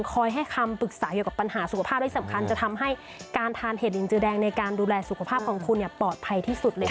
คอยให้คำปรึกษาเกี่ยวกับปัญหาสุขภาพที่สำคัญจะทำให้การทานเห็ดลินจือแดงในการดูแลสุขภาพของคุณปลอดภัยที่สุดเลยค่ะ